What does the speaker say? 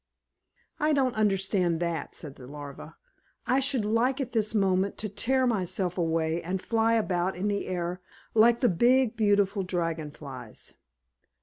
"I don't understand that," said the Larva. "I should like at this moment to tear myself away, and fly about in the air like the big, beautiful Dragon Flies."